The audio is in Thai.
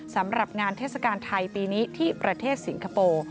สำหรับงานเทศกาลไทยปีนี้ที่ประเทศสิงคโปร์